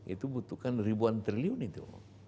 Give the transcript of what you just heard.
itu butuhkan ribuan triliun itu